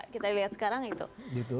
kita lihat sekarang itu